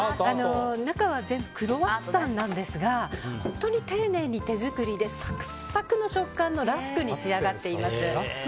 中は全部クロワッサンなんですが本当に丁寧に手作りでサクサク食感のラスクに仕上がっています。